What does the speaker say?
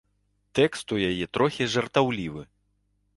Тэкст у яе трохі жартаўлівы.